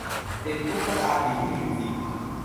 สิบ ตุ๊กตาผีที่มีอยู่จริง